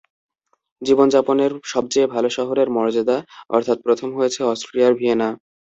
জীবন যাপনের সবচেয়ে ভালো শহরের মর্যাদা অর্থাৎ প্রথম হয়েছে অস্ট্রিয়ার ভিয়েনা।